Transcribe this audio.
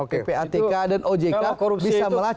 ppatk dan ojk bisa melacak